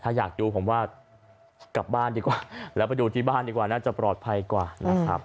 ถ้าอยากดูผมว่ากลับบ้านดีกว่าแล้วไปดูที่บ้านดีกว่าน่าจะปลอดภัยกว่านะครับ